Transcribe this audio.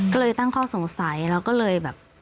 ก็เลยตั้งข้อสงสัยแล้วก็เลยแบบ